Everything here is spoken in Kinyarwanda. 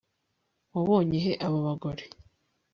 wabonye he abo bagore